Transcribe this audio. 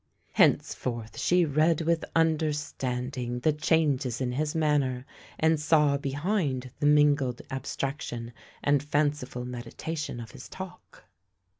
Henceforth she read with under standing the changes in his manner, and saw behind the mingled abstraction and fanciful meditation of his talk.